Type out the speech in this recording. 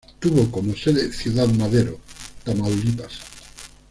Tuvo como sede Ciudad Madero, Tamaulipas.